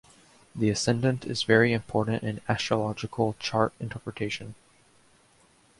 The ascendant is very important in astrological chart interpretation.